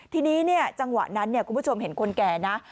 ทีนี้จังหวะนั้นคุณผู้ชมเห็นคนแก่นะ